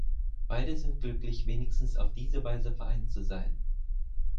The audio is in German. Beide sind glücklich, wenigstens auf diese Weise vereint zu sein.